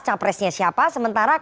capresnya siapa sementara